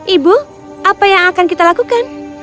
ibu apa yang akan kita lakukan